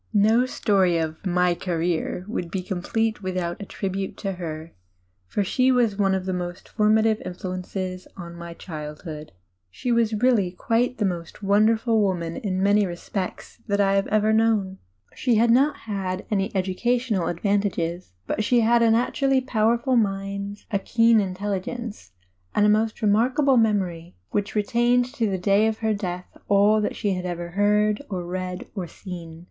No story of my "career" would be complete without a tribute to her, for she was one of the formative influences of my childhood. She was really quite the most wonderful D,i„Mb, Google woman in many respects that I have ever known. She had never had any educational advantages. But she had a natu rally powerful mind, a keen intelligence, and a most re markable memory which retained to the day of her death all that she had ever heard or read or seen.